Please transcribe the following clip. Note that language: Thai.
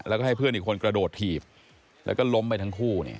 แล้วก็ให้เพื่อนอีกคนกระโดดถีบแล้วก็ล้มไปทั้งคู่